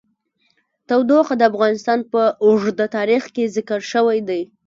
تودوخه د افغانستان په اوږده تاریخ کې ذکر شوی دی.